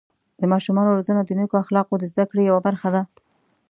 د ماشومانو روزنه د نیکو اخلاقو د زده کړې یوه برخه ده.